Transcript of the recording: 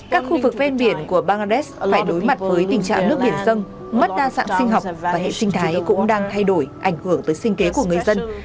các khu vực ven biển của bangladesh phải đối mặt với tình trạng nước hiển dâng mất đa dạng sinh học và hệ sinh thái cũng đang thay đổi ảnh hưởng tới sinh kế của người dân